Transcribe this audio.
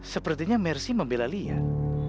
sepertinya mercy membela leah